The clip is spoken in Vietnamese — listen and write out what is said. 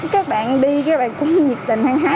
các bạn đi các bạn cũng nhiệt tình hay hái